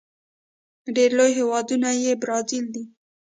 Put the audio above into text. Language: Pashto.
ډیر لوی هیواد یې برازيل دی.